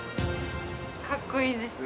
かっこいいです。